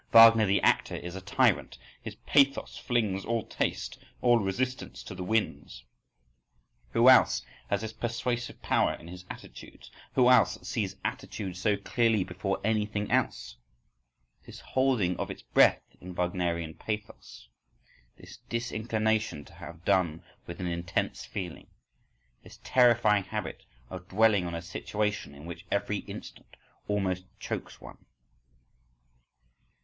… Wagner the actor is a tyrant, his pathos flings all taste, all resistance, to the winds. —Who else has this persuasive power in his attitudes, who else sees attitudes so clearly before anything else! This holding of its breath in Wagnerian pathos, this disinclination to have done with an intense feeling, this terrifying habit of dwelling on a situation in which every instant almost chokes one.